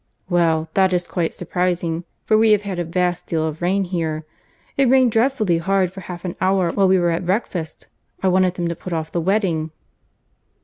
"Well! that is quite surprising, for we have had a vast deal of rain here. It rained dreadfully hard for half an hour while we were at breakfast. I wanted them to put off the wedding."